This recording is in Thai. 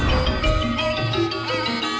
โอเคครับ